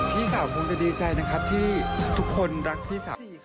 พี่สาวคงจะดีใจนะครับที่ทุกคนรักพี่สาว